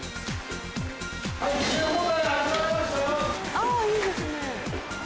あいいですね。